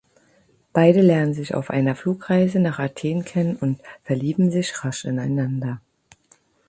Beide lernen sich auf einer Flugreise nach Athen kennen und verlieben sich rasch ineinander.